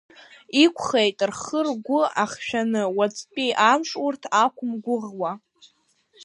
Иқәхеит рхы-ргәы ахшәаны, уаҵәтәи амш урҭ ақәымгәыӷуа.